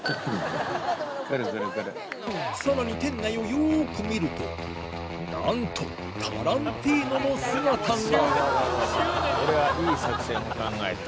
さらに店内をよく見るとなんとタランティーノの姿が！